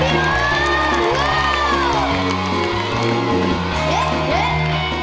เสียงมากครับพี่น้อง